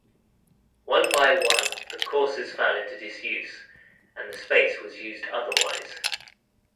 One by one, the courses fell into disuse, and the space was used otherwise.